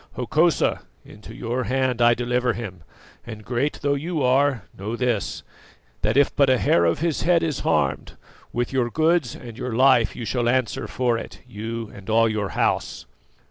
Hokosa, into your hand I deliver him, and, great though you are, know this, that if but a hair of his head is harmed, with your goods and your life you shall answer for it, you and all your house."